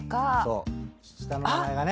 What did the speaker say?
下の名前がね。